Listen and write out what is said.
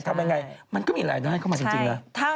ทำอย่างไรมันก็มีรายละเอียดเข้ามาจริงแล้ว